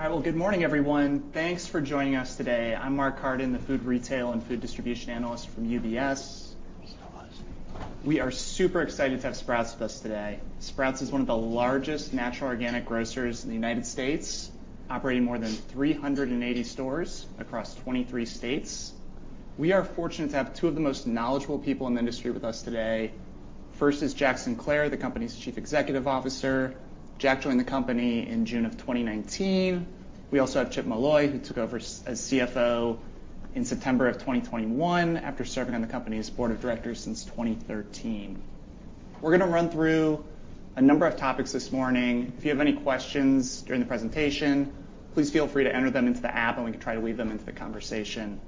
All right. Well, good morning, everyone. Thanks for joining us today. I'm Mark Carden, the food retail and food distribution analyst from UBS. We are super excited to have Sprouts with us today. Sprouts is one of the largest natural organic grocers in the United States, operating more than 380 stores across 23 states. We are fortunate to have two of the most knowledgeable people in the industry with us today. First is Jack Sinclair, the company's Chief Executive Officer. Jack joined the company in June of 2019. We also have Chip Molloy, who took over as CFO in September of 2021 after serving on the company's board of directors since 2013. We're gonna run through a number of topics this morning. If you have any questions during the presentation, please feel free to enter them into the app, and we can try to weave them into the conversation.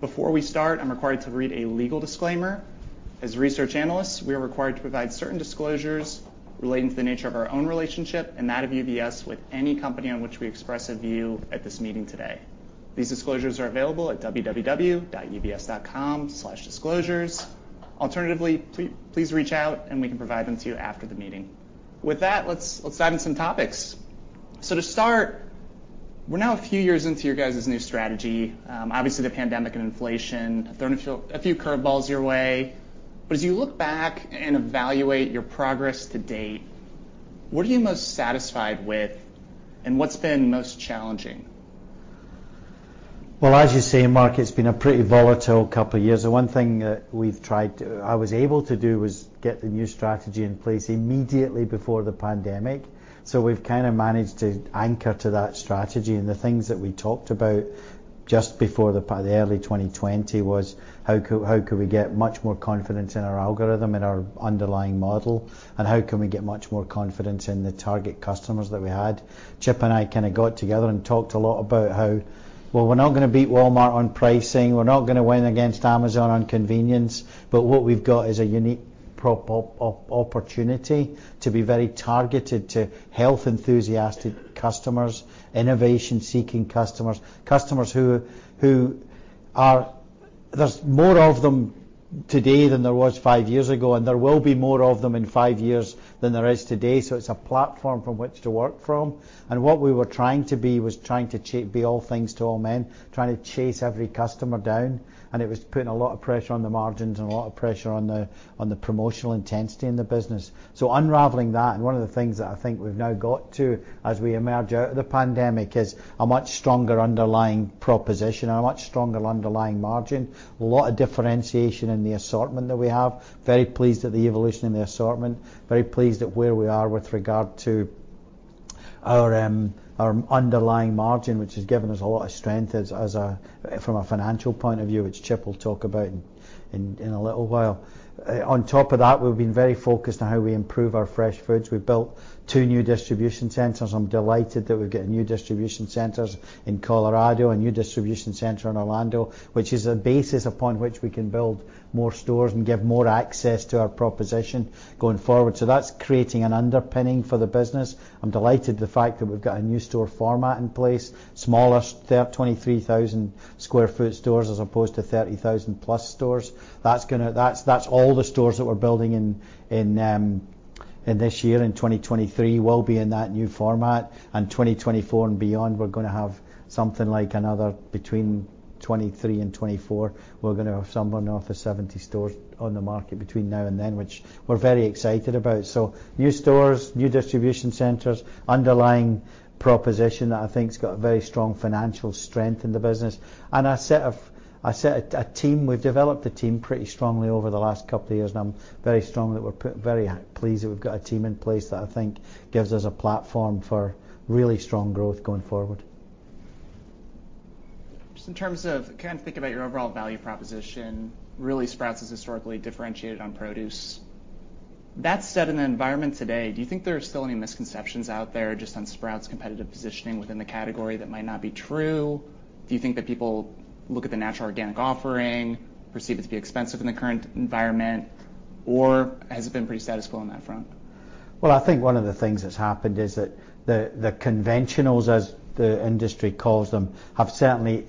Before we start, I'm required to read a legal disclaimer. As research analysts, we are required to provide certain disclosures relating to the nature of our own relationship and that of UBS with any company on which we express a view at this meeting today. These disclosures are available at www.ubs.com/disclosures. Alternatively, please reach out, and we can provide them to you after the meeting. With that, let's dive in some topics. To start, we're now a few years into your guys' new strategy. Obviously, the pandemic and inflation have thrown a few curve balls your way. As you look back and evaluate your progress to date, what are you most satisfied with, and what's been most challenging? Well, as you say, Mark, it's been a pretty volatile couple of years. The one thing that I was able to do was get the new strategy in place immediately before the pandemic. We've kinda managed to anchor to that strategy. The things that we talked about just before the early 2020 was how could we get much more confidence in our algorithm and our underlying model, and how can we get much more confidence in the target customers that we had. Chip and I kinda got together and talked a lot about how, well, we're not gonna beat Walmart on pricing, we're not gonna win against Amazon on convenience, but what we've got is a unique opportunity to be very targeted to health enthusiastic customers, innovation-seeking customers who are... There's more of them today than there was five years ago, and there will be more of them in five years than there is today. It's a platform from which to work from. What we were trying to be was trying to be all things to all men, trying to chase every customer down, and it was putting a lot of pressure on the margins and a lot of pressure on the promotional intensity in the business. Unraveling that, and one of the things that I think we've now got to as we emerge out of the pandemic is a much stronger underlying proposition and a much stronger underlying margin. A lot of differentiation in the assortment that we have. Very pleased at the evolution in the assortment. Very pleased at where we are with regard to our underlying margin, which has given us a lot of strength as a, from a financial point of view, which Chip will talk about in, in a little while. On top of that, we've been very focused on how we improve our fresh foods. We've built two new distribution centers. I'm delighted that we're getting new distribution centers in Colorado, a new distribution center in Orlando, which is a basis upon which we can build more stores and give more access to our proposition going forward. That's creating an underpinning for the business. I'm delighted the fact that we've got a new store format in place, smaller 23,000 sq ft stores as opposed to 30,000+ stores. That's all the stores that we're building in this year, in 2023, will be in that new format. 2024 and beyond, we're gonna have something like another between 23 and 24, we're gonna have someone off of 70 stores on the market between now and then, which we're very excited about. New stores, new distribution centers, underlying proposition that I think's got a very strong financial strength in the business. A set of a team, we've developed the team pretty strongly over the last couple of years, and I'm very strong that we're very pleased that we've got a team in place that I think gives us a platform for really strong growth going forward. In terms of kind of think about your overall value proposition, really, Sprouts is historically differentiated on produce. That said, in the environment today, do you think there are still any misconceptions out there just on Sprout's competitive positioning within the category that might not be true? Do you think that people look at the natural organic offering, perceive it to be expensive in the current environment, or has it been pretty status quo on that front? I think one of the things that's happened is that the conventionals, as the industry calls them, have certainly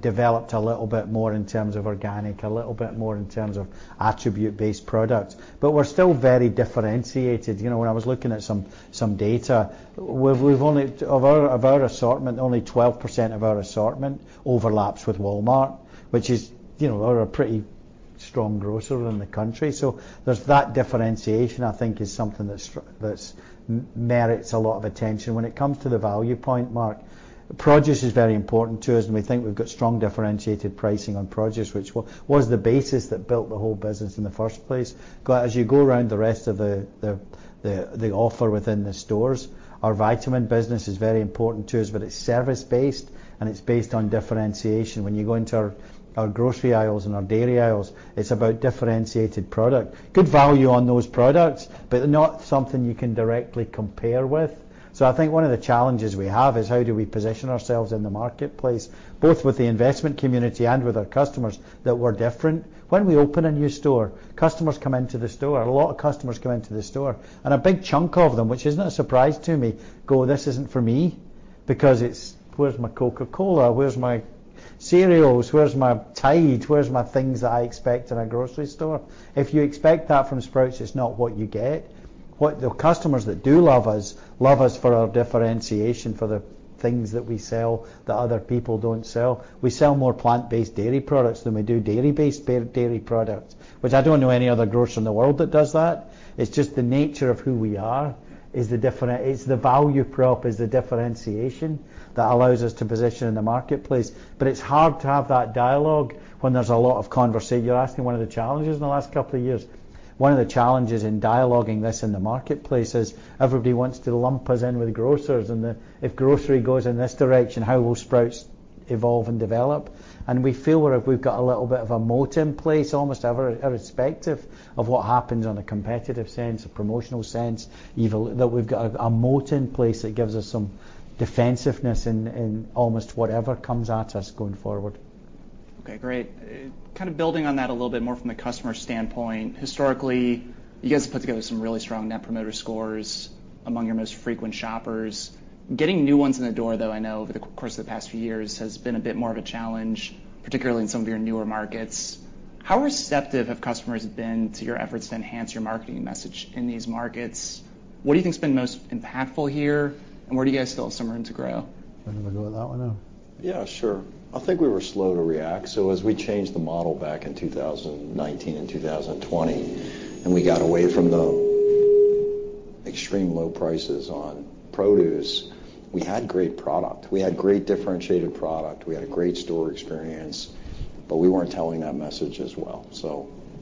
developed a little bit more in terms of organic, a little bit more in terms of attribute-based products. We're still very differentiated. You know, when I was looking at some data, we've only of our assortment, only 12% of our assortment overlaps with Walmart, which is, you know, we're a pretty strong grocer in the country. There's that differentiation I think is something that's merits a lot of attention. When it comes to the value point, Mark, produce is very important to us, and we think we've got strong differentiated pricing on produce, which was the basis that built the whole business in the first place. As you go around the rest of the offer within the stores, our vitamin business is very important to us, but it's service based, and it's based on differentiation. When you go into our grocery aisles and our dairy aisles, it's about differentiated product. Good value on those products, but not something you can directly compare with. I think one of the challenges we have is how do we position ourselves in the marketplace, both with the investment community and with our customers, that we're different. When we open a new store, customers come into the store. A lot of customers come into the store, and a big chunk of them, which isn't a surprise to me, go, "This isn't for me." It's where's my Coca-Cola? Where's my cereals? Where's my Tide? Where's my things that I expect in a grocery store? If you expect that from Sprouts, it's not what you get. What the customers that do love us, love us for our differentiation, for the things that we sell that other people don't sell. We sell more plant-based dairy products than we do dairy-based, dairy products, which I don't know any other grocer in the world that does that. It's just the nature of who we are is the differentiation. It's the value prop is the differentiation that allows us to position in the marketplace. It's hard to have that dialogue when there's a lot of conversation. You're asking one of the challenges in the last couple of years. One of the challenges in dialoguing this in the marketplace is everybody wants to lump us in with grocers and the if grocery goes in this direction, how will Sprouts evolve and develop? We feel where if we've got a little bit of a moat in place, almost irrespective of what happens on a competitive sense, a promotional sense, even that we've got a moat in place that gives us some defensiveness in almost whatever comes at us going forward. Okay. Great. kind of building on that a little bit more from the customer standpoint. Historically, you guys have put together some really strong Net Promoter Score among your most frequent shoppers. Getting new ones in the door, though, I know over the course of the past few years has been a bit more of a challenge, particularly in some of your newer markets. How receptive have customers been to your efforts to enhance your marketing message in these markets? What do you think has been most impactful here, and where do you guys still have some room to grow? Do you want to go with that one now? Yeah, sure. I think we were slow to react. As we changed the model back in 2019 and 2020, and we got away from the extreme low prices on produce, we had great product. We had great differentiated product. We had a great store experience, but we weren't telling that message as well.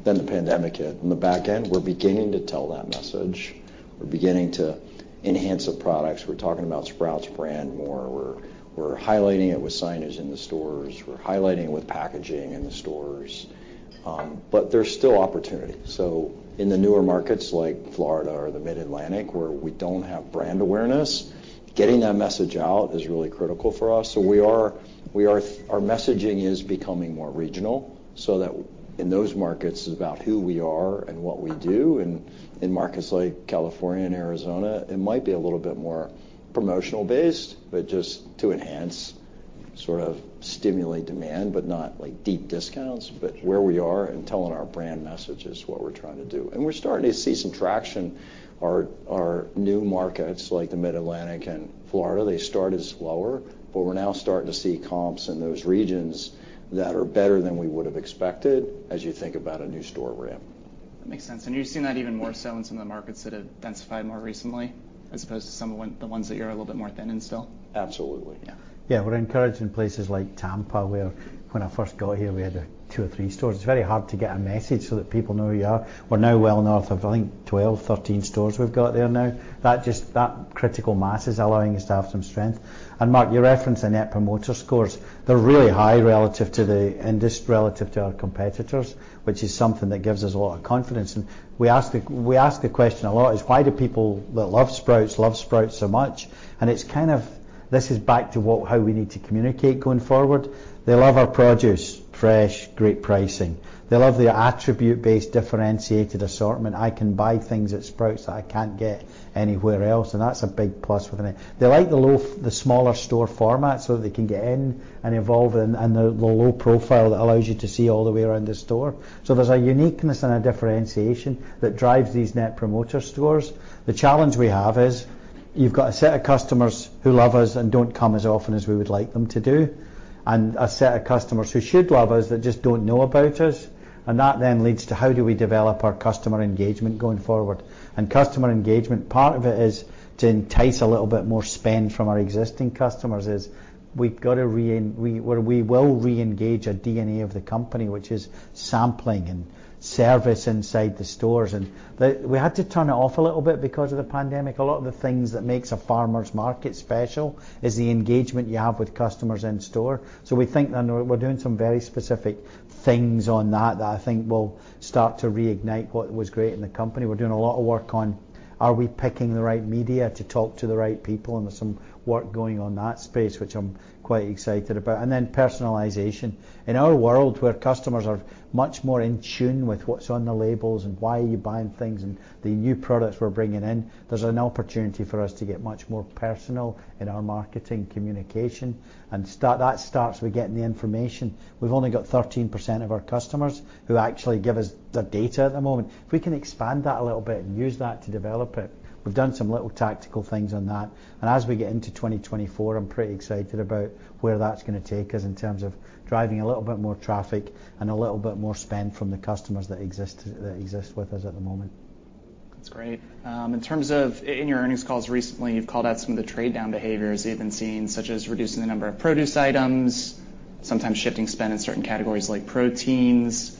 The pandemic hit. On the back end, we're beginning to tell that message. We're beginning to enhance the products. We're talking about Sprouts Brand more. We're highlighting it with signage in the stores. We're highlighting with packaging in the stores, but there's still opportunity. In the newer markets like Florida or the Mid-Atlantic, where we don't have brand awareness, getting that message out is really critical for us. We are, our messaging is becoming more regional so that in those markets is about who we are and what we do. In markets like California and Arizona, it might be a little bit more promotional based, but just to enhance, sort of stimulate demand, but not like deep discounts. Where we are and telling our brand message is what we're trying to do. We're starting to see some traction. Our, our new markets like the Mid-Atlantic and Florida, they started slower, but we're now starting to see comps in those regions that are better than we would have expected as you think about a new store ramp. That makes sense. You're seeing that even more so in some of the markets that have densified more recently as opposed to some of the ones that you're a little bit more thin in still. Absolutely. Yeah. Yeah. We're encouraged in places like Tampa, where when I first got here, we had, like, two or three stores. It's very hard to get a message so that people know who you are. We're now well north of, I think, 12, 13 stores we've got there now. That critical mass is allowing us to have some strength. Mark, you referenced the Net Promoter Scores. They're really high relative to the industry, relative to our competitors, which is something that gives us a lot of confidence. We ask the question a lot is why do people that love Sprouts so much? It's kind of this is back to what, how we need to communicate going forward. They love our produce, fresh, great pricing. They love the attribute-based, differentiated assortment. I can buy things at Sprouts that I can't get anywhere else. That's a big plus for them. They like the smaller store format so that they can get in and evolve and the low profile that allows you to see all the way around the store. There's a uniqueness and a differentiation that drives these Net Promoter Scores. The challenge we have is you've got a set of customers who love us and don't come as often as we would like them to do, and a set of customers who should love us that just don't know about us. That then leads to how do we develop our customer engagement going forward. Customer engagement, part of it is to entice a little bit more spend from our existing customers, is we've got to reengage a DNA of the company, which is sampling and service inside the stores. We had to turn it off a little bit because of the pandemic. A lot of the things that makes a farmer's market special is the engagement you have with customers in store. We think, and we're doing some very specific things on that I think will start to reignite what was great in the company. We're doing a lot of work on are we picking the right media to talk to the right people, and there's some work going on that space, which I'm quite excited about. Then personalization. In our world, where customers are much more in tune with what's on the labels and why are you buying things and the new products we're bringing in, there's an opportunity for us to get much more personal in our marketing communication. That starts with getting the information. We've only got 13% of our customers who actually give us their data at the moment. If we can expand that a little bit and use that to develop it, we've done some little tactical things on that. As we get into 2024, I'm pretty excited about where that's gonna take us in terms of driving a little bit more traffic and a little bit more spend from the customers that exist with us at the moment. That's great. In terms of in your earnings calls recently, you've called out some of the trade-down behaviors that you've been seeing, such as reducing the number of produce items, sometimes shifting spend in certain categories like proteins.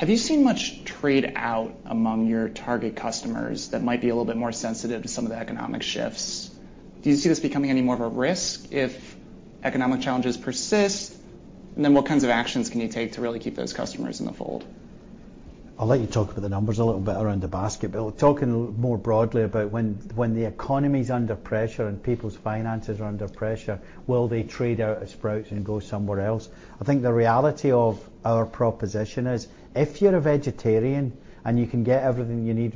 Have you seen much trade out among your target customers that might be a little bit more sensitive to some of the economic shifts? Do you see this becoming any more of a risk if economic challenges persist? Then what kinds of actions can you take to really keep those customers in the fold? Talking more broadly about when the economy's under pressure and people's finances are under pressure, will they trade out of Sprouts and go somewhere else? I think the reality of our proposition is if you're a vegetarian and you can get everything you need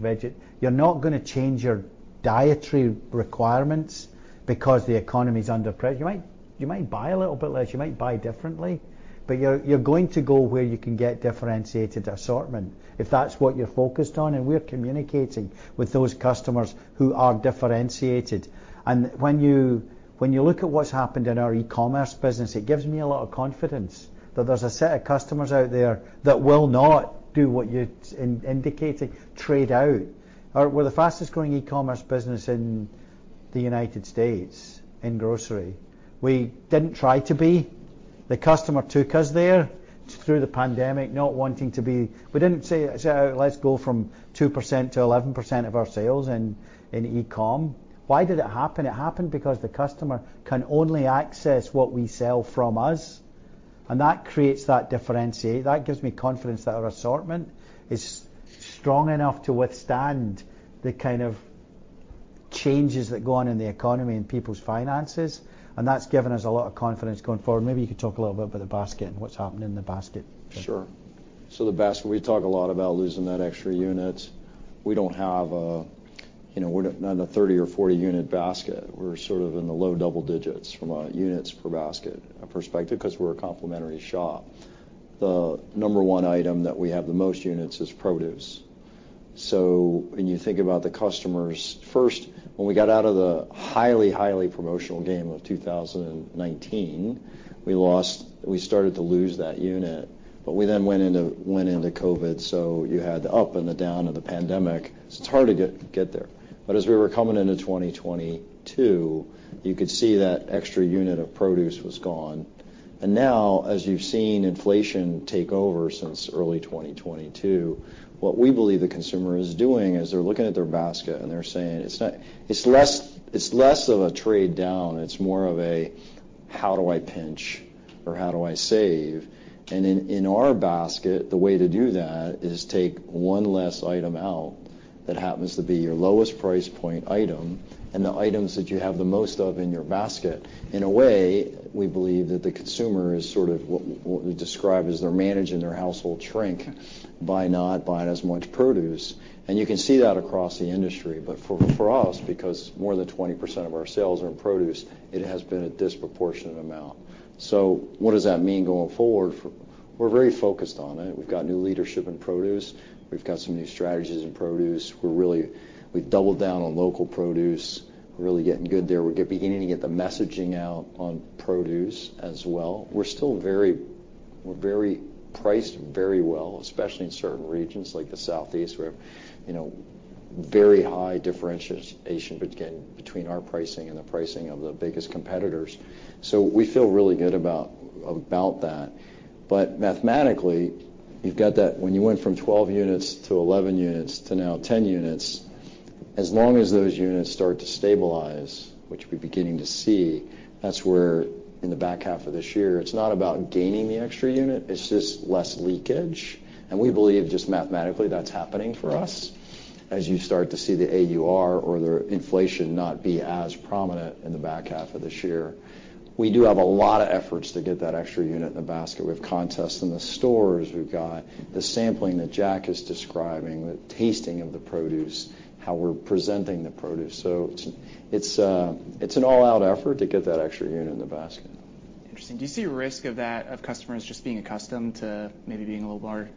you're not gonna change your dietary requirements because the economy's under pressure. You might buy a little bit less, you might buy differently, you're going to go where you can get differentiated assortment if that's what you're focused on, and we're communicating with those customers who are differentiated. When you look at what's happened in our e-commerce business, it gives me a lot of confidence that there's a set of customers out there that will not do what you're indicating, trade out. We're the fastest growing e-commerce business in the United States in grocery. We didn't try to be. The customer took us there through the pandemic, not wanting to be. We didn't say, "Let's go from 2% to 11% of our sales in e-com." Why did it happen? It happened because the customer can only access what we sell from us, and that creates that differentiate. That gives me confidence that our assortment is strong enough to withstand the kind of changes that go on in the economy and people's finances, and that's given us a lot of confidence going forward. Maybe you could talk a little bit about the basket and what's happened in the basket. Sure. The basket, we talk a lot about losing that extra unit. We don't have a, you know, we're not in a 30 or 40 unit basket. We're sort of in the low double digits from a units per basket perspective because we're a complimentary shop. The number one item that we have the most units is produce. When you think about the customers, first, when we got out of the highly promotional game of 2019, we started to lose that unit. We then went into COVID, so you had the up and the down of the pandemic, so it's hard to get there. As we were coming into 2022, you could see that extra unit of produce was gone. Now, as you've seen inflation take over since early 2022, what we believe the consumer is doing is they're looking at their basket and they're saying it's less, it's less of a trade down. It's more of a how do I pinch or how do I save? In our basket, the way to do that is take one less item out that happens to be your lowest price point item and the items that you have the most of in your basket. In a way, we believe that the consumer is sort of what we describe as they're managing their household shrink by not buying as much produce. You can see that across the industry. For us, because more than 20% of our sales are in produce, it has been a disproportionate amount. What does that mean going forward for. We're very focused on it. We've got new leadership in produce. We've got some new strategies in produce. We've doubled down on local produce. We're really getting good there. We're beginning to get the messaging out on produce as well. We're still very priced very well, especially in certain regions like the Southeast, where, you know, very high differentiation between our pricing and the pricing of the biggest competitors. We feel really good about that. Mathematically, you've got that when you went from 12 units to 11 units to now 10 units, as long as those units start to stabilize, which we're beginning to see, that's where in the back half of this year, it's not about gaining the extra unit, it's just less leakage. We believe just mathematically that's happening for us as you start to see the AUR or the inflation not be as prominent in the back half of this year. We do have a lot of efforts to get that extra unit in the basket. We have contests in the stores. We've got the sampling that Jack is describing, the tasting of the produce, how we're presenting the produce. It's an all-out effort to get that extra unit in the basket. Interesting. Do you see a risk of that, of customers just being accustomed to maybe being a little more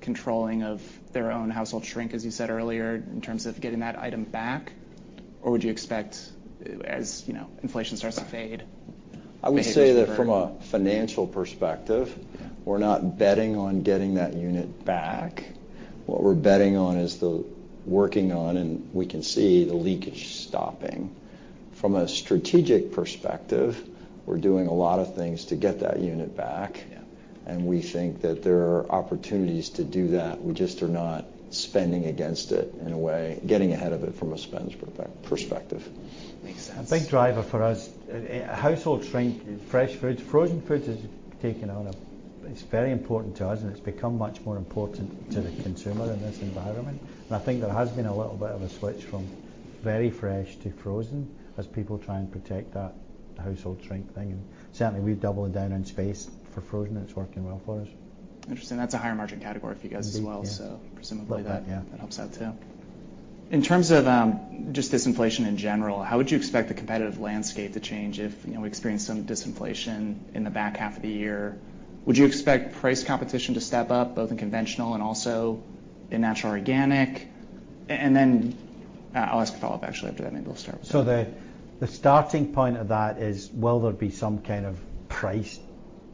controlling of their own household shrink, as you said earlier, in terms of getting that item back? Or would you expect as, you know, inflation starts to fade, behaviors differ? I would say that from a financial perspective, we're not betting on getting that unit back. What we're betting on is the working on, and we can see the leakage stopping. From a strategic perspective, we're doing a lot of things to get that unit back. Yeah. We think that there are opportunities to do that. We just are not spending against it in a way, getting ahead of it from a spend perspective. Makes sense. A big driver for us, household shrink, fresh foods, frozen foods. It's very important to us, it's become much more important to the consumer in this environment. I think there has been a little bit of a switch from very fresh to frozen as people try and protect that household shrink thing. Certainly, we're doubling down on space for frozen. It's working well for us. Interesting. That's a higher margin category for you guys as well. Mm-hmm. Yeah. presumably Little bit, yeah. That helps out too. In terms of, just disinflation in general, how would you expect the competitive landscape to change if, you know, we experience some disinflation in the back half of the year? Would you expect price competition to step up, both in conventional and also in natural organic? Then I'll ask a follow up actually after that. Maybe we'll start with Jack. The starting point of that is will there be some kind of price,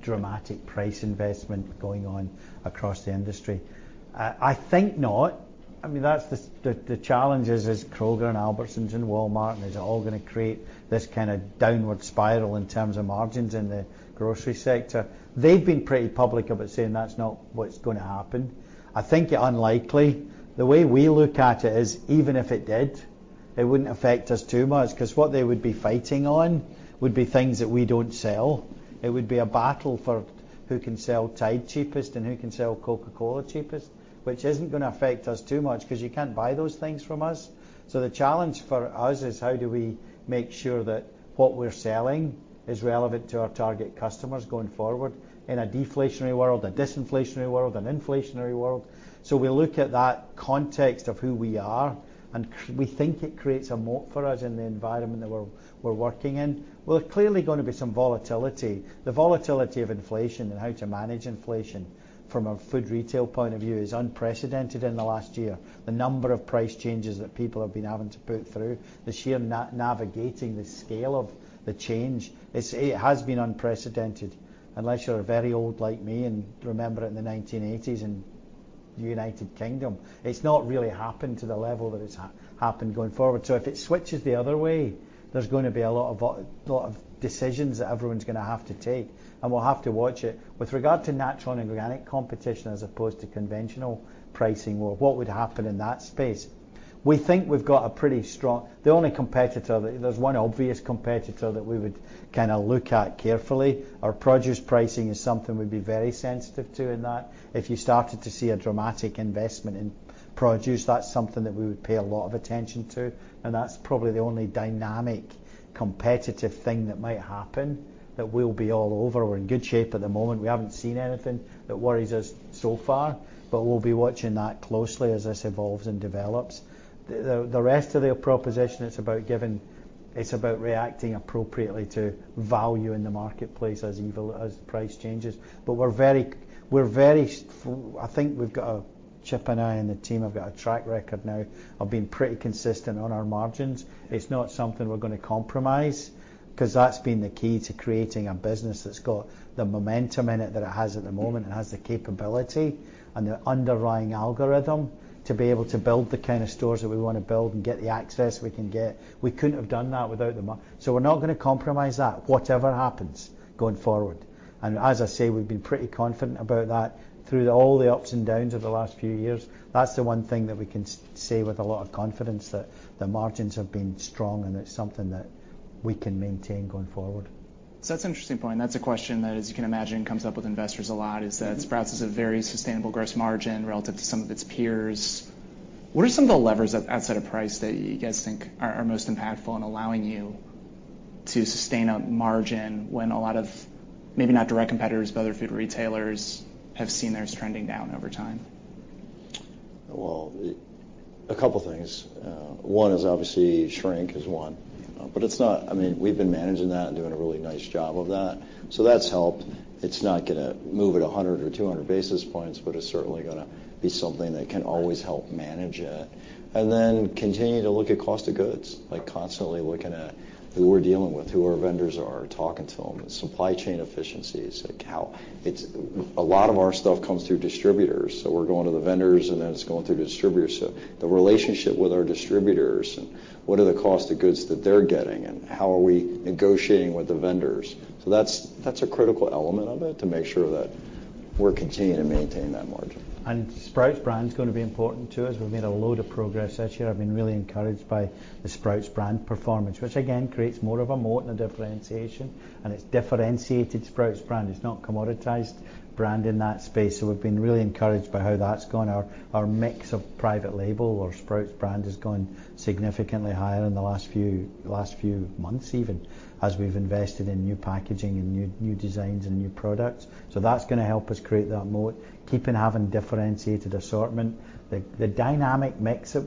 dramatic price investment going on across the industry? I think not. I mean, that's the challenge is Kroger and Albertsons and Walmart and is it all gonna create this kind of downward spiral in terms of margins in the grocery sector. They've been pretty public about saying that's not what's gonna happen. I think it unlikely. The way we look at it is even if it did. It wouldn't affect us too much 'cause what they would be fighting on would be things that we don't sell. It would be a battle for who can sell Tide cheapest and who can sell Coca-Cola cheapest, which isn't gonna affect us too much cause you can't buy those things from us. The challenge for us is how do we make sure that what we're selling is relevant to our target customers going forward in a deflationary world, a disinflationary world, an inflationary world. We look at that context of who we are, and we think it creates a moat for us in the environment that we're working in. There's clearly gonna be some volatility. The volatility of inflation and how to manage inflation from a food retail point of view is unprecedented in the last year. The number of price changes that people have been having to put through, the sheer navigating the scale of the change, it has been unprecedented. Unless you're very old like me and remember it in the 1980s in United Kingdom, it's not really happened to the level that it's happened going forward. If it switches the other way, there's gonna be a lot of decisions that everyone's gonna have to take, and we'll have to watch it. With regard to natural and organic competition as opposed to conventional pricing or what would happen in that space, we think we've got a pretty strong. There's one obvious competitor that we would kinda look at carefully. Our produce pricing is something we'd be very sensitive to in that. If you started to see a dramatic investment in produce, that's something that we would pay a lot of attention to, and that's probably the only dynamic competitive thing that might happen that we'll be all over. We're in good shape at the moment. We haven't seen anything that worries us so far, we'll be watching that closely as this evolves and develops. The rest of the proposition, it's about giving. It's about reacting appropriately to value in the marketplace as the price changes. We're very. I think we've got a Chip and I and the team have got a track record now of being pretty consistent on our margins. It's not something we're gonna compromise 'cause that's been the key to creating a business that's got the momentum in it that has at the moment and has the capability and the underlying algorithm to be able to build the kinda stores that we wanna build and get the access we can get. We couldn't have done that. We're not gonna compromise that whatever happens going forward. As I say, we've been pretty confident about that through all the ups and downs of the last few years. That's the one thing that we can say with a lot of confidence that the margins have been strong, and it's something that we can maintain going forward. That's an interesting point, and that's a question that, as you can imagine, comes up with investors a lot. Mm-hmm is that Sprouts is a very sustainable gross margin relative to some of its peers. What are some of the levers outside of price that you guys think are most impactful in allowing you to sustain a margin when a lot of maybe not direct competitors but other food retailers have seen theirs trending down over time? Well, a couple things. One is obviously shrink is one. I mean, we've been managing that and doing a really nice job of that. That's helped. It's not gonna move it 100 basis points or 200 basis points, but it's certainly gonna be something that can always help manage it. Then continue to look at cost of goods, like constantly looking at who we're dealing with, who our vendors are, talking to them, and supply chain efficiencies. Like a lot of our stuff comes through distributors, so we're going to the vendors, and then it's going through distributors. The relationship with our distributors and what are the cost of goods that they're getting, and how are we negotiating with the vendors. That's a critical element of it, to make sure that we're continuing to maintain that margin. Sprouts Brand's gonna be important to us. We've made a load of progress this year. I've been really encouraged by the Sprouts Brand performance, which again creates more of a moat and a differentiation, and it's differentiated Sprouts Brand. It's not commoditized brand in that space. We've been really encouraged by how that's gone. Our mix of private label or Sprouts Brand has gone significantly higher in the last few months even as we've invested in new packaging and new designs and new products. That's gonna help us create that moat, keeping having differentiated assortment. Sprouts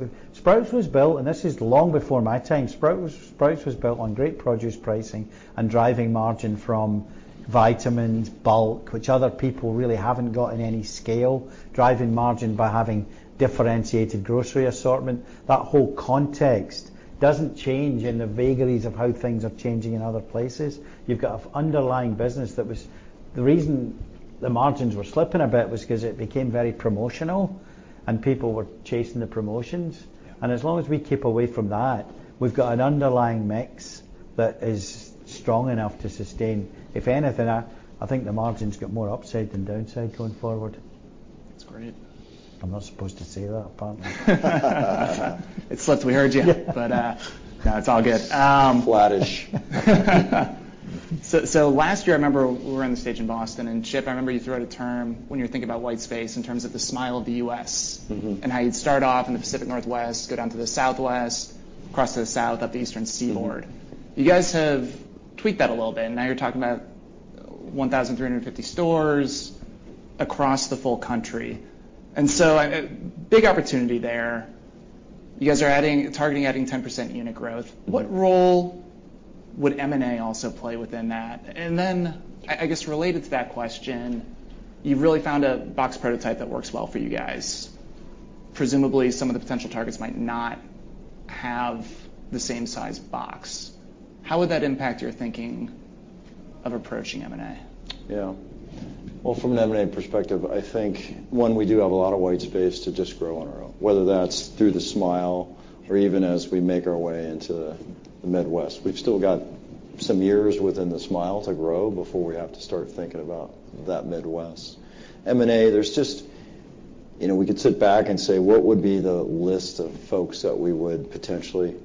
was built, and this is long before my time. Sprouts was built on great produce pricing and driving margin from vitamins, bulk, which other people really haven't got in any scale, driving margin by having differentiated grocery assortment. That whole context doesn't change in the vagaries of how things are changing in other places. The reason the margins were slipping a bit was cause it became very promotional and people were chasing the promotions. Yeah. As long as we keep away from that, we've got an underlying mix that is strong enough to sustain. If anything, I think the margin's got more upside than downside going forward. That's great. I'm not supposed to say that, apparently. It slips. We heard you. Yeah. No, it's all good. Flattish. Last year, I remember we were on the stage in Boston, and Chip, I remember you threw out a term when you're thinking about white space in terms of the Smile of the U.S. Mm-hmm And how you'd start off in the Pacific Northwest, go down to the Southwest, across to the South, up the Eastern Seaboard. Mm-hmm. You guys have tweaked that a little bit, now you're talking about 1,350 stores across the full country. Big opportunity there. You guys are targeting adding 10% unit growth. Mm-hmm. What role would M&A also play within that? I guess related to that question, you've really found a box prototype that works well for you guys. Presumably, some of the potential targets might not have the same size box. How would that impact your thinking of approaching M&A? Yeah. Well, from an M&A perspective, I think, one, we do have a lot of white space to just grow on our own, whether that's through the Smile or even as we make our way into the Midwest. We've still got some years within the Smile to grow before we have to start thinking about that Midwest. M&A, there's just You know, we could sit back and say, what would be the list of folks that we would potentially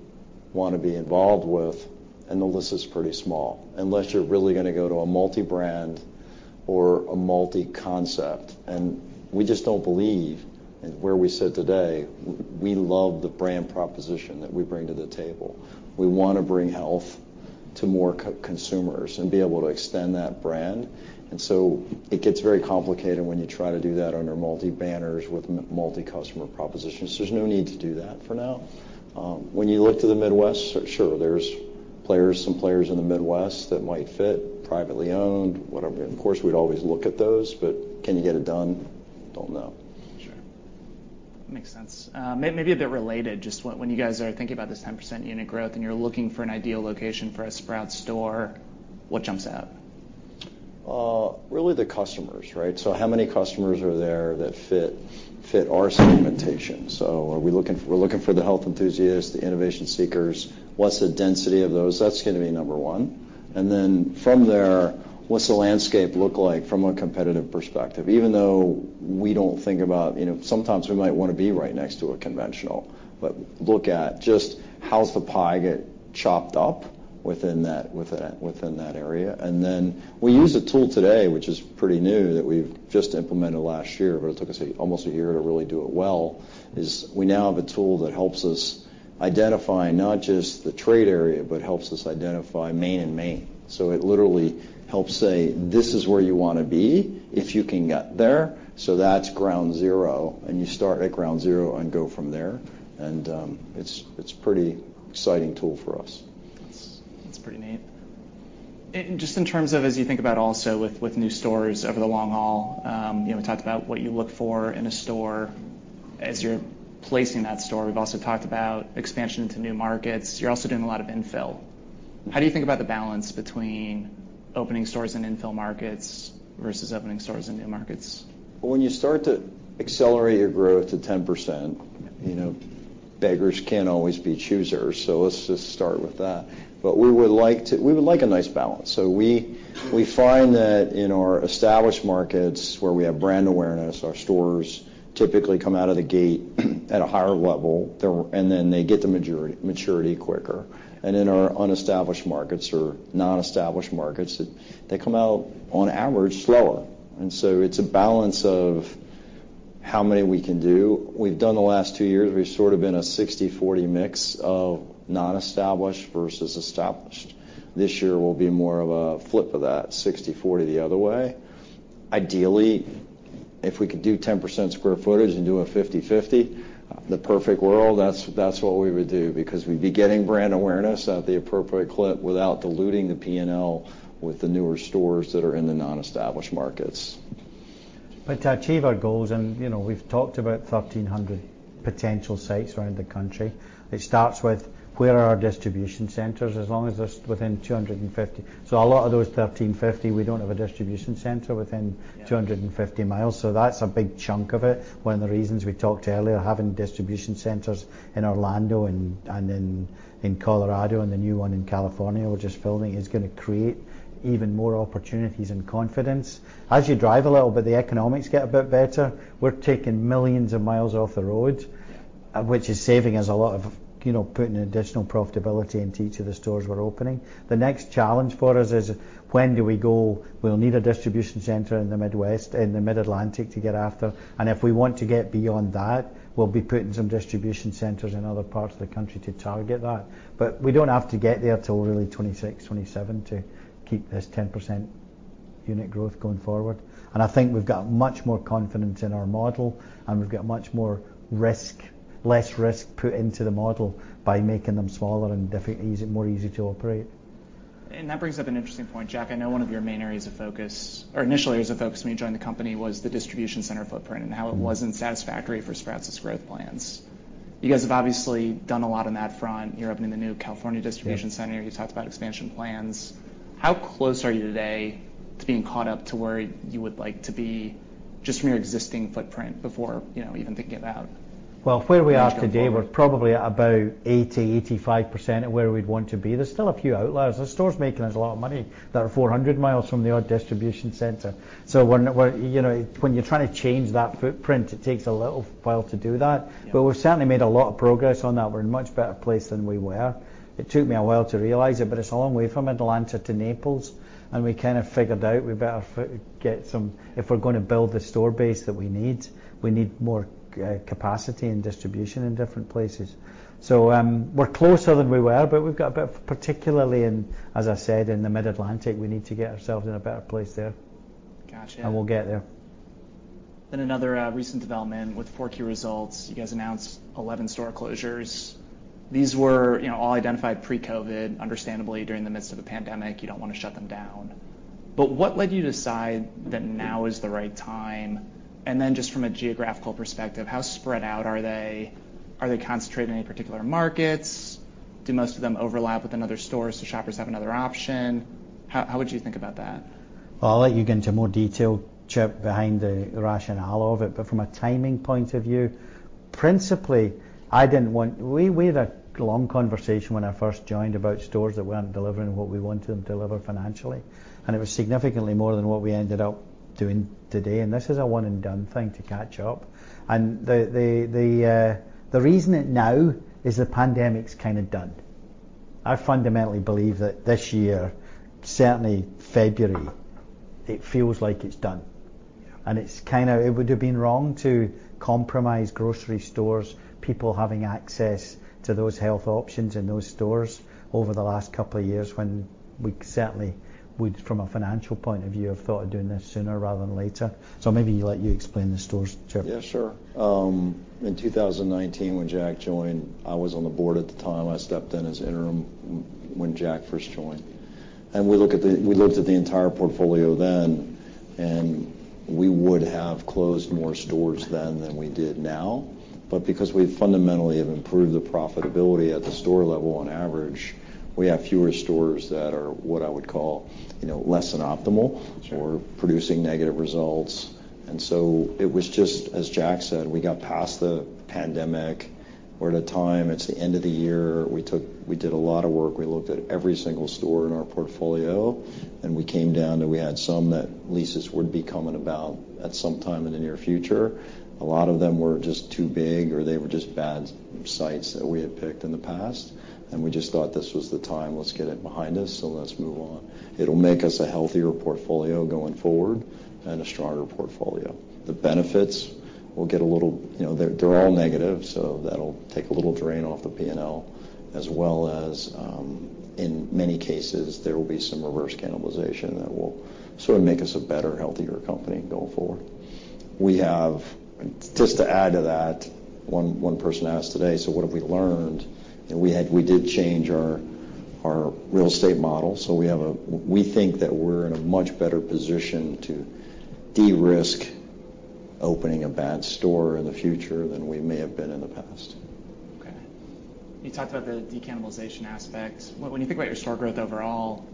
wanna be involved with, and the list is pretty small, unless you're really gonna go to a multi-brand or a multi-concept. We just don't believe in where we sit today. We love the brand proposition that we bring to the table. We wanna bring health to more consumers and be able to extend that brand. It gets very complicated when you try to do that under multi-banners with multi-customer propositions. There's no need to do that for now. When you look to the Midwest, sure, there's players, some players in the Midwest that might fit, privately-owned, whatever. Of course, we'd always look at those, but can you get it done? Don't know. Sure. Makes sense. maybe a bit related, just when you guys are thinking about this 10% unit growth and you're looking for an ideal location for a Sprouts store, what jumps out? Really the customers, right? How many customers are there that fit our segmentation? Are we looking for the health enthusiasts, the innovation seekers? What's the density of those? That's gonna be number one. From there, what's the landscape look like from a competitive perspective? Even though we don't think about, you know, sometimes we might wanna be right next to a conventional, but look at just how does the pie get chopped up within that area. We use a tool today, which is pretty new, that we've just implemented last year, but it took us almost a year to really do it well, is we now have a tool that helps us identify not just the trade area, but helps us identify main and main. It literally helps say, "This is where you wanna be if you can get there." That's ground zero, and you start at ground zero and go from there. It's pretty exciting tool for us. That's pretty neat. Just in terms of as you think about also with new stores over the long haul, you know, we talked about what you look for in a store as you're placing that store. We've also talked about expansion into new markets. You're also doing a lot of infill. How do you think about the balance between opening stores in infill markets versus opening stores in new markets? Well, when you start to accelerate your growth to 10%, you know, beggars can't always be choosers, so let's just start with that. We would like a nice balance. We find that in our established markets where we have brand awareness, our stores typically come out of the gate at a higher level, and then they get to maturity quicker. In our unestablished markets or non-established markets, they come out on average slower. It's a balance of how many we can do. We've done the last two years, we've sort of been a 60/40 mix of non-established versus established. This year will be more of a flip of that, 60/40 the other way. Ideally, if we could do 10% square footage and do a 50/50, the perfect world, that's what we would do because we'd be getting brand awareness at the appropriate clip without diluting the P&L with the newer stores that are in the non-established markets. To achieve our goals, and, you know, we've talked about 1,300 potential sites around the country. It starts with where are our distribution centers, as long as it's within 250. A lot of those 1,350, we don't have a distribution center 250 miles. That's a big chunk of it. One of the reasons we talked earlier, having distribution centers in Orlando and in Colorado and the new one in California we're just building is gonna create even more opportunities and confidence. As you drive a little bit, the economics get a bit better. We're taking millions of miles off the road, which is saving us a lot of, you know, putting additional profitability into each of the stores we're opening. The next challenge for us is when do we go, we'll need a distribution center in the Midwest, in the Mid-Atlantic to get after. If we want to get beyond that, we'll be putting some distribution centers in other parts of the country to target that. We don't have to get there till really 2026, 2027 to keep this 10% unit growth going forward. I think we've got much more confidence in our model, and we've got much less risk put into the model by making them smaller and more easy to operate. That brings up an interesting point. Jack, I know one of your main areas of focus or initially areas of focus when you joined the company was the distribution center footprint and how it wasn't satisfactory for Sprout's growth plans. You guys have obviously done a lot on that front. You're opening the new California distribution center. Yeah. You talked about expansion plans. How close are you today to being caught up to where you would like to be just from your existing footprint before, you know, even thinking about? Well, where we are today. We're probably about 80% to 85% of where we'd want to be. There's still a few outliers. There are stores making us a lot of money that are 400 miles from the odd distribution center. When you know, when you're trying to change that footprint, it takes a little while to do that. Yeah. We've certainly made a lot of progress on that. We're in a much better place than we were. It took me a while to realize it, but it's a long way from Atlanta to Naples, and we kind of figured out we better get some. If we're gonna build the store base that we need, we need more capacity and distribution in different places. We're closer than we were, but we've got a bit, particularly in, as I said, in the Mid-Atlantic, we need to get ourselves in a better place there. Gotcha. We'll get there. Another recent development with Q4 results, you guys announced 11 store closures. These were, you know, all identified pre-COVID. Understandably, during the midst of the pandemic, you don't wanna shut them down. What led you to decide that now is the right time? Just from a geographical perspective, how spread out are they? Are they concentrated in any particular markets? Do most of them overlap with another store, so shoppers have another option? How would you think about that? Well, I'll let you get into more detail, Chip, behind the rationale of it. From a timing point of view. Principally, we had a long conversation when I first joined about stores that weren't delivering what we wanted them to deliver financially, and it was significantly more than what we ended up doing today. This is a one and done thing to catch up. The reason it now is the pandemic's kind of done. I fundamentally believe that this year, certainly February, it feels like it's done. Yeah. It's kinda, it would have been wrong to compromise grocery stores, people having access to those health options in those stores over the last couple of years when we certainly would, from a financial point of view, have thought of doing this sooner rather than later. Maybe let you explain the stores, Chip. Yeah, sure. In 2019 when Jack joined, I was on the board at the time. I stepped in as interim when Jack first joined. We looked at the entire portfolio then, and we would have closed more stores then than we did now. Because we fundamentally have improved the profitability at the store level on average, we have fewer stores that are what I would call, you know, less than optimal. Sure Producing negative results. It was just as Jack said, we got past the pandemic. We're at a time, it's the end of the year. We did a lot of work. We looked at every single store in our portfolio, and we came down to we had some that leases would be coming about at some time in the near future. A lot of them were just too big, or they were just bad sites that we had picked in the past, and we just thought this was the time, let's get it behind us, so let's move on. It'll make us a healthier portfolio going forward and a stronger portfolio. The benefits will get a little, you know, they're all negative, that'll take a little drain off the P&L as well as, in many cases, there will be some reverse cannibalization that will sort of make us a better, healthier company going forward. Just to add to that, one person asked today, what have we learned? We did change our real estate model. We think that we're in a much better position to de-risk opening a bad store in the future than we may have been in the past. Okay. You talked about the decannibalization aspect. When you think about your store growth overall,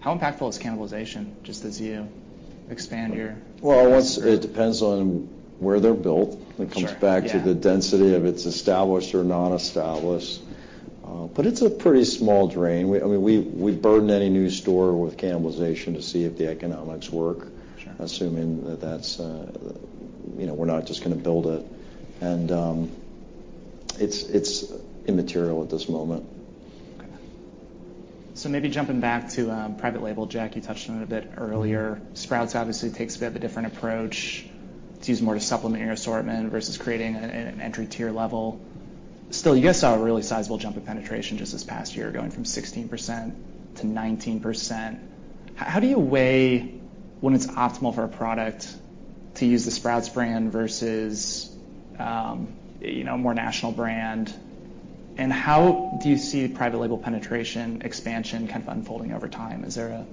how impactful is cannibalization just as you expand your- Well, once. It depends on where they're built. Sure. Yeah. It comes back to the density of it's established or not established, it's a pretty small drain. I mean, we burden any new store with cannibalization to see if the economics work. Sure. Assuming that that's, you know, we're not just gonna build it. It's, it's immaterial at this moment. Maybe jumping back to private label, Jack, you touched on it a bit earlier. Sprouts obviously takes a bit of a different approach to use more to supplement your assortment versus creating an entry tier level. Still, you guys saw a really sizable jump in penetration just this past year, going from 16% to 19%. How do you weigh when it's optimal for a product to use the Sprouts Brand versus, you know, more national brand? How do you see private label penetration expansion kind of unfolding over time? Is there a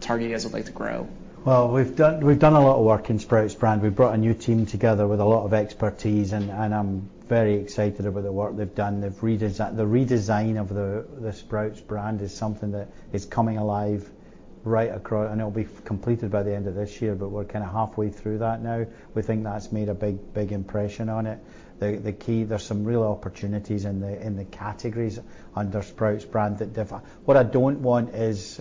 target you guys would like to grow? Well, we've done a lot of work in Sprouts Brand. We've brought a new team together with a lot of expertise, and I'm very excited about the work they've done. The redesign of the Sprouts Brand is something that is coming alive right across, and it'll be completed by the end of this year, but we're kinda halfway through that now. We think that's made a big impression on it. The key, there's some real opportunities in the categories under Sprouts Brand that differ. What I don't want is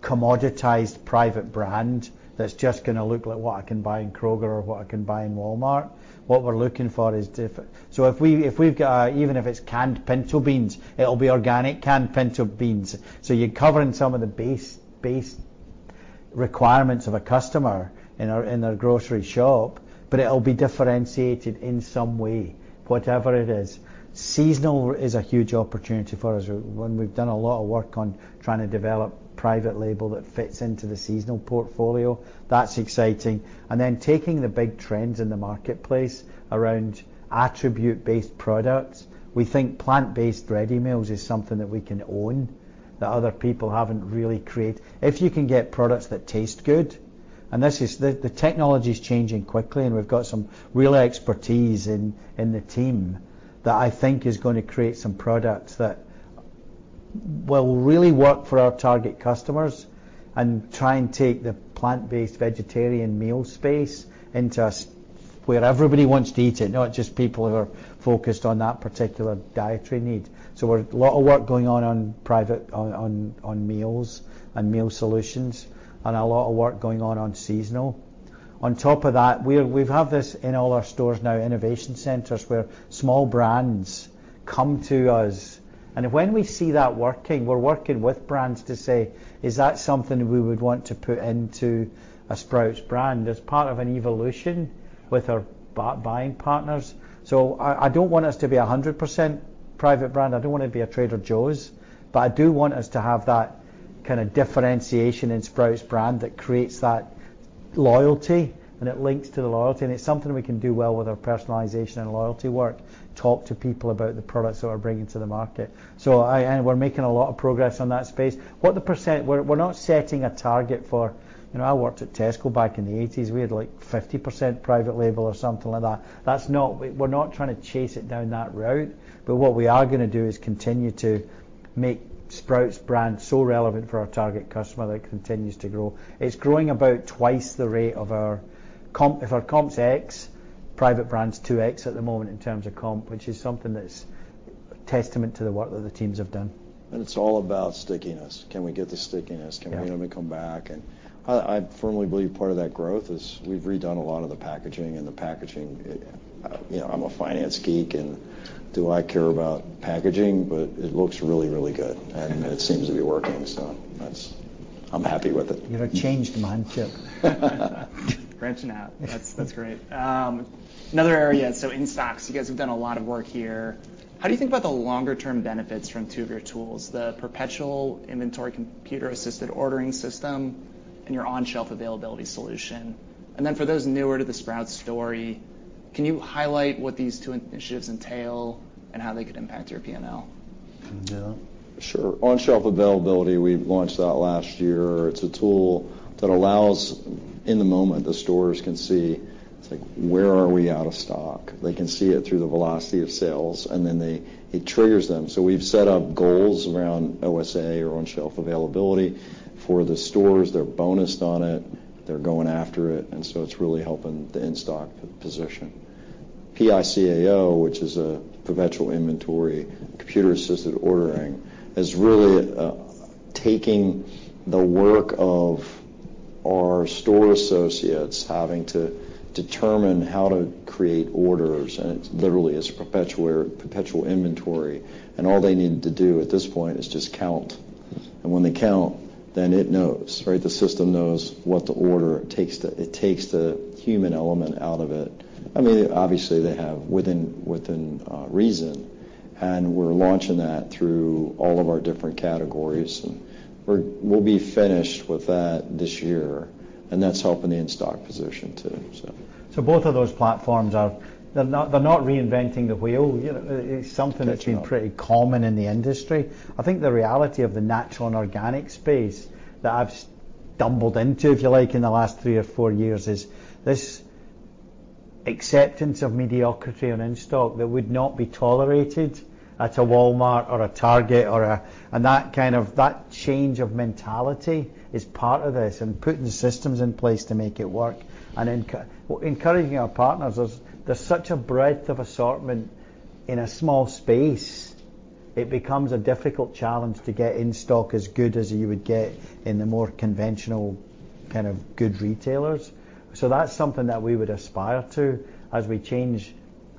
commoditized private brand that's just gonna look like what I can buy in Kroger or what I can buy in Walmart. What we're looking for is differ. If we've got, even if it's canned pinto beans, it'll be organic canned pinto beans. You're covering some of the base requirements of a customer in a, in a grocery shop, but it'll be differentiated in some way, whatever it is. Seasonal is a huge opportunity for us. When we've done a lot of work on trying to develop private label that fits into the seasonal portfolio, that's exciting. Taking the big trends in the marketplace around attribute-based products, we think plant-based ready meals is something that we can own that other people haven't really create. If you can get products that taste good, and this is the technology's changing quickly, and we've got some real expertise in the team that I think is gonna create some products that will really work for our target customers and try and take the plant-based vegetarian meal space into where everybody wants to eat it, not just people who are focused on that particular dietary need. We're lot of work going on on private, on meals and meal solutions and a lot of work going on on seasonal. On top of that, we've have this in all our stores now, innovation centers, where small brands come to us. When we see that working, we're working with brands to say, "Is that something we would want to put into a Sprouts Brand as part of an evolution with our buying partners?" I don't want us to be 100% private brand. I don't wanna be a Trader Joe's. I do want us to have that kind of differentiation in Sprouts Brand that creates that loyalty, and it links to the loyalty. It's something we can do well with our personalization and loyalty work, talk to people about the products that we're bringing to the market. We're making a lot of progress on that space. What the percent, we're not setting a target for... You know, I worked at Tesco back in the 80s. We had, like, 50% private label or something like that. We're not trying to chase it down that route. What we are gonna do is continue to make Sprouts Brand so relevant for our target customer that it continues to grow. It's growing about twice the rate of our comp, if our comp's X, private brand's two X at the moment in terms of comp, which is something that's testament to the work that the teams have done. It's all about stickiness. Can we get the stickiness? Yeah. Can we get them to come back? I firmly believe part of that growth is we've redone a lot of the packaging. You know, I'm a finance geek, do I care about packaging? It looks really, really good. It seems to be working, so that's. I'm happy with it. You're a changed man, Chip. Branching out. That's great. Another area, so in stocks, you guys have done a lot of work here. How do you think about the longer term benefits from two of your tools, the Perpetual Inventory Computer-Assisted Ordering system and your On-Shelf Availability solution? For those newer to the Sprouts story, can you highlight what these two initiatives entail and how they could impact your P&L? Yeah. Sure. On-shelf availability, we launched that last year. It's a tool that allows, in the moment, the stores can see, it's like, "Where are we out of stock?" They can see it through the velocity of sales. It triggers them. We've set up goals around OSA or on-shelf availability for the stores. They're bonused on it. They're going after it. It's really helping the in-stock position. PICAO, which is a perpetual inventory computer-assisted ordering, is really taking the work of our store associates having to determine how to create orders, and it literally is a perpetual inventory. All they need to do at this point is just count. When they count, it knows, right? The system knows what to order. It takes the human element out of it. I mean, obviously, they have within reason. We're launching that through all of our different categories, and we'll be finished with that this year. That's helping the in-stock position too, so. Both of those platforms are, they're not reinventing the wheel. You know. That's been pretty common in the industry. I think the reality of the natural and organic space that I've stumbled into, if you like, in the last three or four years is this acceptance of mediocrity on in-stock that would not be tolerated at a Walmart or a Target.That change of mentality is part of this and putting the systems in place to make it work and encouraging our partners. There's such a breadth of assortment in a small space, it becomes a difficult challenge to get in-stock as good as you would get in the more conventional kind of good retailers. That's something that we would aspire to as we change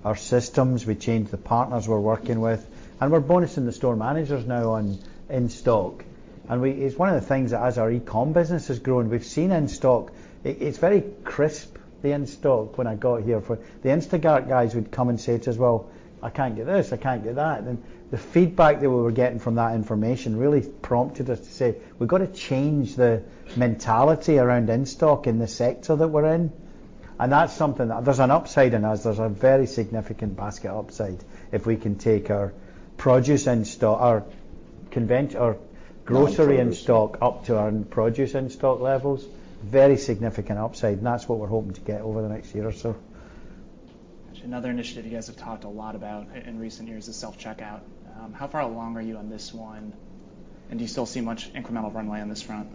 our systems, we change the partners we're working with. We're bonusing the store managers now on in-stock. It's one of the things that as our e-com business has grown, we've seen in-stock. It's very crisp, the in-stock when I got here. The Instacart guys would come and say to us, "Well, I can't get this. I can't get that." The feedback that we were getting from that information really prompted us to say, "We've gotta change the mentality around in-stock in the sector that we're in." That's something that, there's an upside in us. There's a very significant basket upside if we can take our produce our grocery in stock up to our produce in-stock levels, very significant upside, and that's what we're hoping to get over the next year or so. Gotcha. Another initiative you guys have talked a lot about in recent years is self-checkout. How far along are you on this one? Do you still see much incremental runway on this front?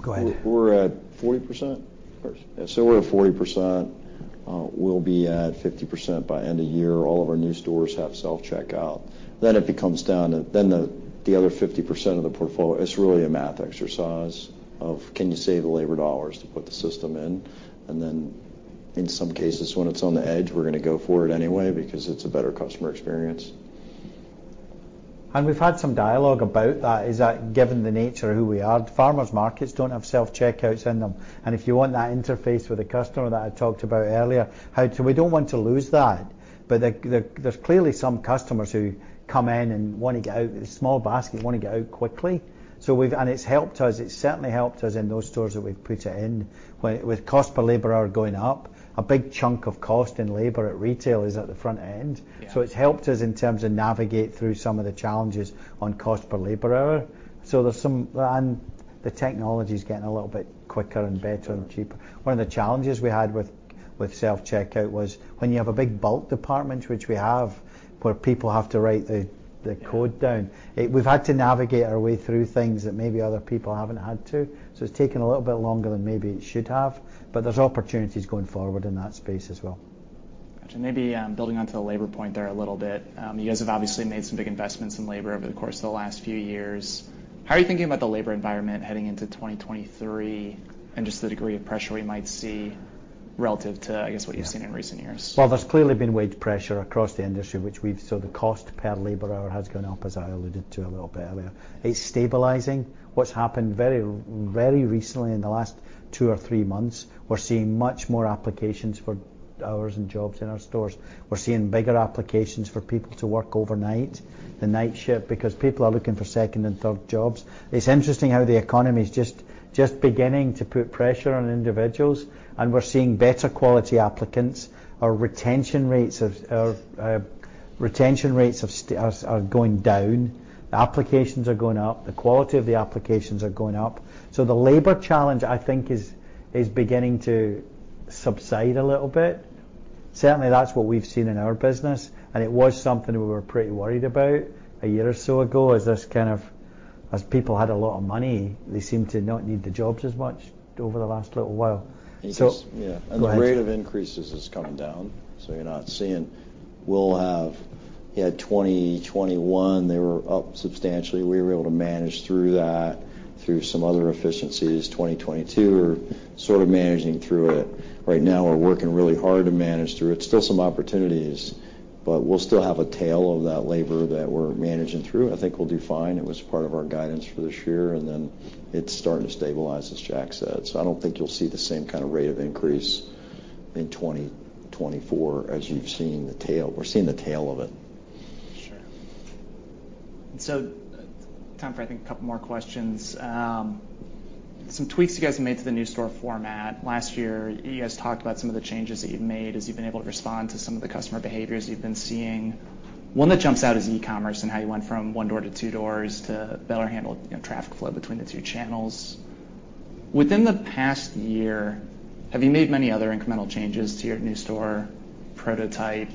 Go ahead. We're at 40%. Of course. We're at 40%. we'll be at 50% by end of year. All of our new stores have self-checkout. It becomes down to. The other 50% of the portfolio. It's really a math exercise of can you save the labor dollars to put the system in? In some cases, when it's on the edge, we're gonna go for it anyway because it's a better customer experience. We've had some dialogue about that, is that given the nature of who we are, farmers markets don't have self-checkout in them. If you want that interface with a customer that I talked about earlier, we don't want to lose that. There's clearly some customers who come in and wanna get out with a small basket, wanna get out quickly. And it's helped us. It's certainly helped us in those stores that we've put it in. With cost per labor hour going up, a big chunk of cost and labor at retail is at the front end. Yeah. It's helped us in terms of navigate through some of the challenges on cost per labor hour. There's some. The technology's getting a little bit quicker and better and cheaper. One of the challenges we had with self-checkout was when you have a big bulk department, which we have, where people have to write the code down. Yeah. We've had to navigate our way through things that maybe other people haven't had to. It's taken a little bit longer than maybe it should have. There's opportunities going forward in that space as well. Gotcha. Maybe, building onto the labor point there a little bit. You guys have obviously made some big investments in labor over the course of the last few years. How are you thinking about the labor environment heading into 2023 and just the degree of pressure we might see relative to, I guess, what you've seen in recent years? Well, there's clearly been wage pressure across the industry, which we've. The cost per labor hour has gone up, as I alluded to a little bit earlier. It's stabilizing. What's happened very, very recently in the last two or three months, we're seeing much more applications for hours and jobs in our stores. We're seeing bigger applications for people to work overnight, the night shift, because people are looking for second and third jobs. It's interesting how the economy's just beginning to put pressure on individuals. We're seeing better quality applicants. Our retention rates of retention rates are going down. The applications are going up. The quality of the applications are going up. The labor challenge, I think, is beginning to subside a little bit. Certainly, that's what we've seen in our business, and it was something we were pretty worried about a year or so ago, is this kind of, as people had a lot of money, they seemed to not need the jobs as much over the last little while. It's just, Yeah. Go ahead. The rate of increases is coming down, so you're not seeing. We'll have, yeah, 2021, they were up substantially. We were able to manage through that, through some other efficiencies. 2022, we're sort of managing through it. Right now, we're working really hard to manage through it. Still some opportunities, we'll still have a tail of that labor that we're managing through. I think we'll do fine. It was part of our guidance for this year, it's starting to stabilize, as Jack said. I don't think you'll see the same kind of rate of increase in 2024 as you've seen the tail. We're seeing the tail of it. Sure. Time for, I think, a couple more questions. Some tweaks you guys have made to the new store format. Last year, you guys talked about some of the changes that you've made as you've been able to respond to some of the customer behaviors you've been seeing. One that jumps out is e-commerce and how you went from one door to two doors to better handle, you know, traffic flow between the two channels. Within the past year, have you made many other incremental changes to your new store prototype,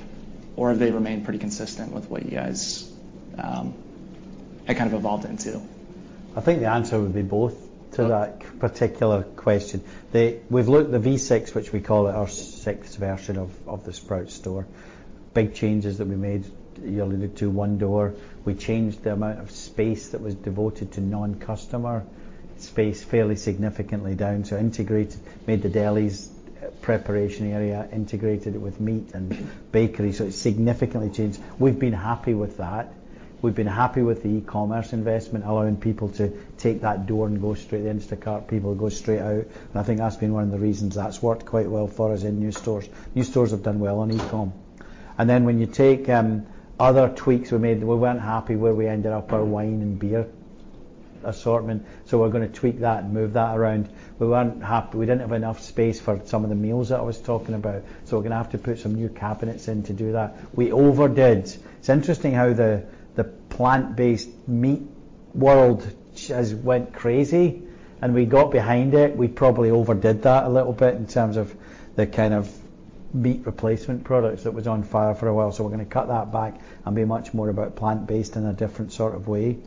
or have they remained pretty consistent with what you guys had kind of evolved into? I think the answer would be both to that particular question. We've looked at the V6, which we call it our sixth version of the Sprouts store. Big changes that we made. You alluded to one door. We changed the amount of space that was devoted to non-customer space fairly significantly down. Integrated, made the deli's preparation area integrated with meat and bakery. It significantly changed. We've been happy with that. We've been happy with the e-commerce investment, allowing people to take that door and go straight to the Instacart, people go straight out. I think that's been one of the reasons that's worked quite well for us in new stores. New stores have done well on e-com. When you take other tweaks we made, we weren't happy where we ended up our wine and beer assortment, so we're gonna tweak that and move that around. We weren't happy. We didn't have enough space for some of the meals that I was talking about, so we're gonna have to put some new cabinets in to do that. It's interesting how the plant-based meat world just went crazy, and we got behind it. We probably overdid that a little bit in terms of the kind of meat replacement products that was on fire for a while. We're gonna cut that back and be much more about plant-based in a different sort of way.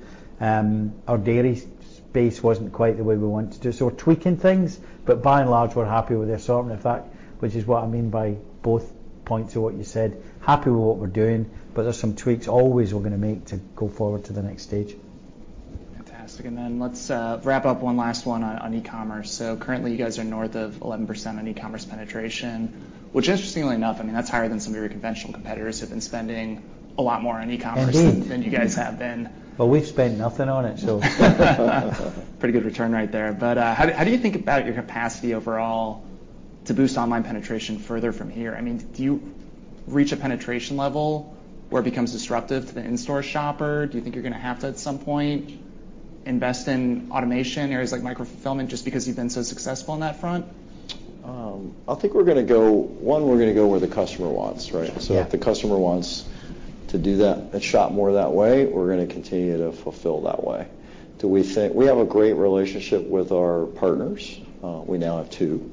Our dairy space wasn't quite the way we wanted to do, so we're tweaking things, but by and large, we're happy with the assortment. In fact, which is what I mean by both points of what you said, happy with what we're doing, but there's some tweaks always we're gonna make to go forward to the next stage. Fantastic. Then let's wrap up one last one on e-commerce. Currently, you guys are north of 11% on e-commerce penetration, which interestingly enough, I mean, that's higher than some of your conventional competitors who have been spending a lot more on e-commerce. Indeed Than you guys have been. We've spent nothing on it, so. Pretty good return right there. How do you think about your capacity overall to boost online penetration further from here? I mean, do you reach a penetration level where it becomes disruptive to the in-store shopper? Do you think you're gonna have to, at some point, invest in automation areas like micro-fulfillment just because you've been so successful on that front? I think one, we're gonna go where the customer wants, right? Sure. Yeah. If the customer wants to do that and shop more that way, we're gonna continue to fulfill that way. We have a great relationship with our partners. We now have two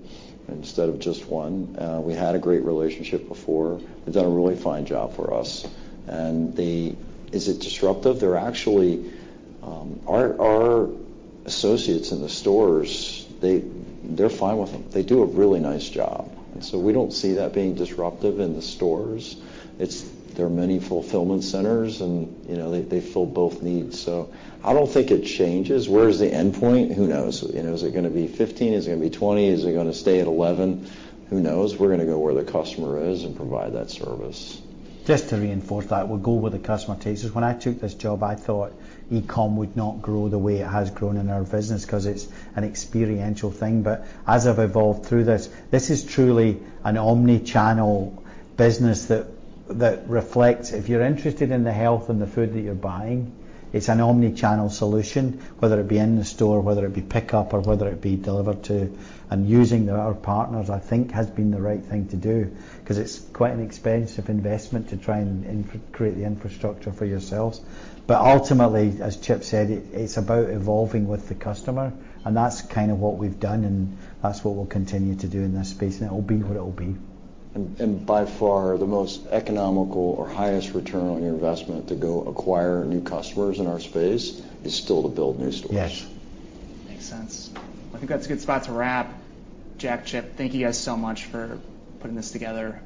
instead of just one. We had a great relationship before. They've done a really fine job for us. Is it disruptive? They're actually, Our associates in the stores, they're fine with them. They do a really nice job. We don't see that being disruptive in the stores. There are many fulfillment centers, and, you know, they fill both needs, so I don't think it changes. Where is the end point? Who knows? You know, is it gonna be 15? Is it gonna be 20? Is it gonna stay at 11? Who knows? We're gonna go where the customer is and provide that service. Just to reinforce that, we'll go where the customer takes us. When I took this job, I thought e-com would not grow the way it has grown in our business 'cause it's an experiential thing. As I've evolved through this is truly an omnichannel business that reflects. If you're interested in the health and the food that you're buying, it's an omnichannel solution, whether it be in the store, whether it be pickup, or whether it be delivered to. Using our partners, I think has been the right thing to do 'cause it's quite an expensive investment to try and create the infrastructure for yourselves. Ultimately, as Chip said, it's about evolving with the customer, and that's kind of what we've done, and that's what we'll continue to do in this space, and it'll be what it'll be. By far the most economical or highest return on your investment to go acquire new customers in our space is still to build new stores. Yes. Makes sense. I think that's a good spot to wrap. Jack, Chip, thank you guys so much for putting this together.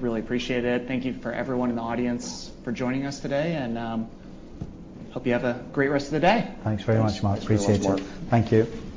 Really appreciate it. Thank you for everyone in the audience for joining us today, and hope you have a great rest of the day. Thanks very much, Mark. Appreciate it. Thanks very much, Mark. Thank you.